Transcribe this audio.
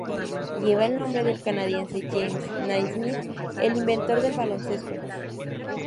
Lleva el nombre del canadiense James Naismith, el inventor del baloncesto.